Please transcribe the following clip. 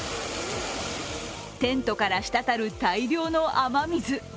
テントからしたたる大量の雨水。